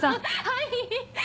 はい。